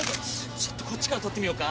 ちょっとこっちから撮ってみようか。